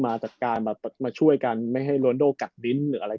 มาจากการมาช่วยกันไม่ให้โรนโดกักดินหรืออะไร